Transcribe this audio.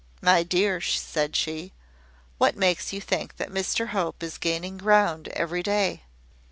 "My dear," said she, "what makes you think that Mr Hope is gaining ground every day?"